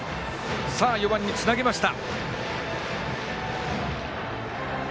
さあ、４番につなげました。